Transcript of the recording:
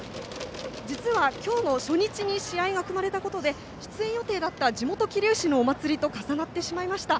実は今日、初日に試合が組まれたことで出演予定だった地元桐生市のお祭りと重なってしまいました。